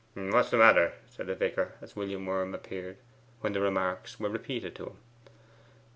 'What's the matter?' said the vicar, as William Worm appeared; when the remarks were repeated to him.